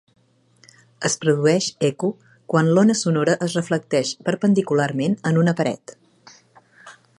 Es produeix eco quan l'ona sonora es reflecteix perpendicularment en una paret.